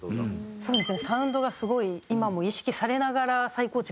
そうですね。